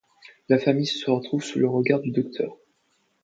La famille se retrouve sous le regard du Docteur.